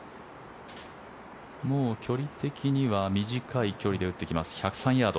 距離的には短い距離で打ってきます１０３ヤード。